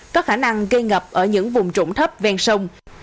có khả năng gây ngập ở những vùng trũng thấp ven sông